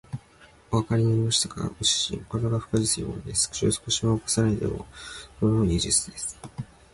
おわかりになりましたか、ご主人。これが腹話術というものです。口を少しも動かさないでものをいう術です。